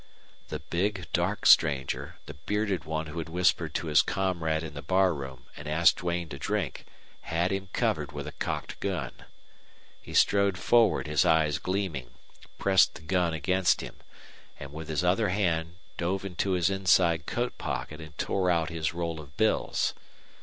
The big, dark stranger, the bearded one who had whispered to his comrade in the bar room and asked Duane to drink, had him covered with a cocked gun. He strode forward, his eyes gleaming, pressed the gun against him, and with his other hand dove into his inside coat pocket and tore out his roll of bills.